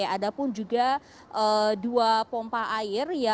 ada pun juga dua pompa air